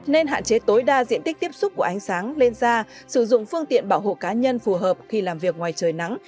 nên hạn chế tối đa diện tích tiếp xúc của ánh sáng lên da sử dụng phương tiện bảo hộ cá nhân phù hợp khi làm việc ngoài trời nắng